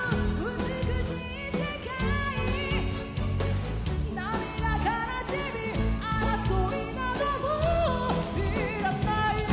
「美しい世界」「涙悲しみ争いなどもういらない」